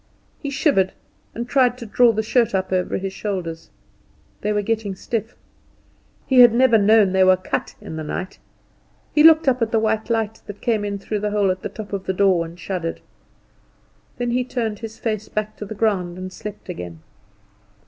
He shivered and tried to draw the shirt up over his shoulders. They were getting stiff. He had never known they were cut in the night. He looked up at the white light that came in through the hole at the top of the door and shuddered. Then he turned his face back to the ground and slept again.